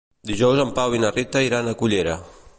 Dijous en Pau i na Rita iran a Cullera.